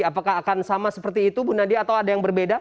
apakah akan sama seperti itu bu nadia atau ada yang berbeda